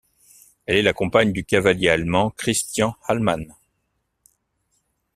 Elle est la compagne du cavalier allemand Christian Ahlmann.